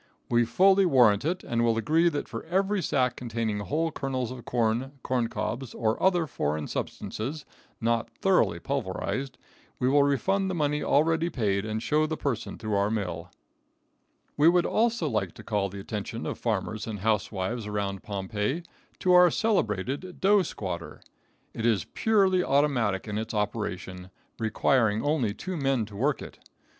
We fully warrant it, and will agree that for every sack containing whole kernels of corn, corncobs, or other foreign substances, not thoroughly pulverized, we will refund the money already paid, and show the person through our mill. [Illustration: ANCIENT ROMAN MILLER.] We would also like to call the attention of farmers and housewives around Pompeii to our celebrated Dough Squatter. It is purely automatic in its operation, requiring only two men to work it.